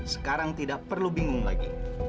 sekarang tidak perlu bingung lagi